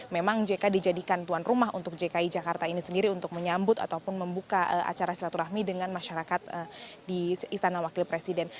memang jk dijadikan tuan rumah untuk dki jakarta ini sendiri untuk menyambut ataupun membuka acara silaturahmi dengan masyarakat di istana wakil presiden